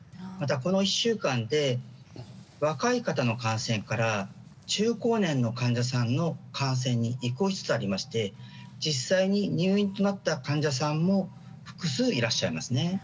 また、この１週間で若い方の感染から中高年の患者さんの感染に移行しつつありまして実際に入院となった患者さんも複数いらっしゃいます。